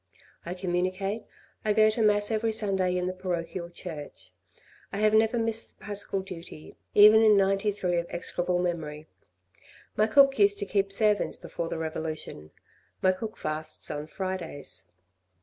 I communicate, I go to Mass every Sunday in the parochial church. I have never missed the paschal duty, even in '93 of execrable memory. My cook used to keep servants before the revolution, my cook fasts on Fridays.